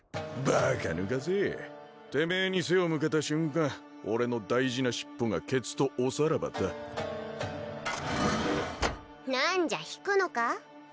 バカぬかせてめえに背を向けた瞬間俺の大事な尻尾がケツとおさらばだ何じゃ引くのか？